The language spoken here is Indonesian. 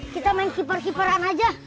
kita main keeper keeperan aja